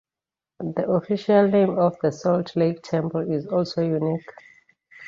The official name of the Salt Lake Temple is also unique.